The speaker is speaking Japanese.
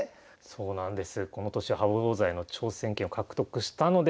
そうなんです。